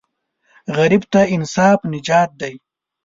غریب ته انصاف نجات دی